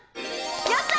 やった！